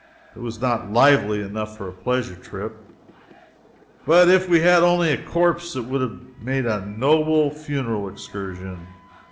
It was not lively enough for a pleasure trip; but if we had only had a corpse it would have made a noble funeral excursion.